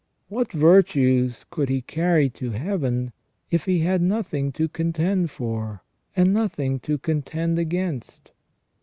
What virtues could he carry to Heaven if he had nothing to contend for, and nothing to contend against